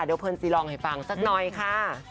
เดี๋ยวเพื่อนซีลองให้ฟังสักหน่อยค่ะ